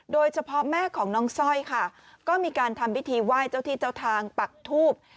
โดยเฉพาะแม่ของน้องซ่อยค่ะก็มีการทำวิธีไหว้เจ้าที่เจ้าทางปักถูบ